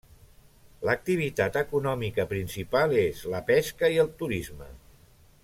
L'activitat econòmica principal és la pesca i el turisme.